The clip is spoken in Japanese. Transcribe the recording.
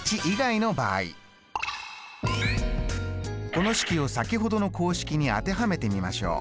この式を先ほどの公式に当てはめてみましょう。